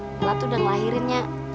nella tuh udah ngelahirinnya